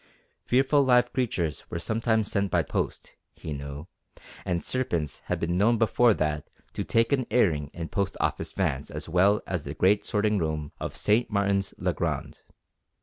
Fearful live creatures were sometimes sent by post, he knew, and serpents had been known before that to take an airing in Post Office vans as well as in the great sorting room of St. Martin's le Grand!